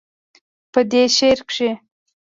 پۀ دې شعر کښې